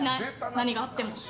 何があっても。